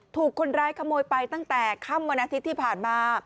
ถูกคนร้ายขโมยไปตั้งแต่ค่ำวันอาทิตย์ที่ผ่านมา